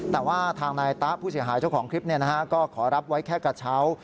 แต่ว่าทางนายตะผู้เสียหายเจ้าของคลิปก็ขอรับไว้แค่กระเช้า